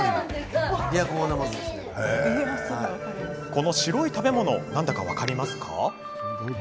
この白い食べ物なんだか分かりますか？